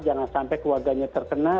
jangan sampai keluarganya terkena